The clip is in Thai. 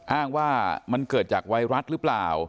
อ้างว่ามันเกิดจากไวรัสหรือเปล่า